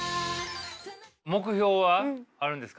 目標はあるんですか？